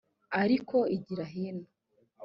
ariko igira hino.